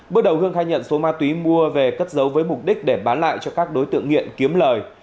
bước đầu hương khai nhận số ma túy mua về cất giấu với mục đích để bán lại cho các đối tượng nghiện kiếm lời